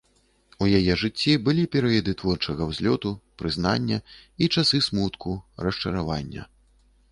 У яе жыцці былі перыяды творчага ўзлёту, прызнання і часы смутку, расчаравання.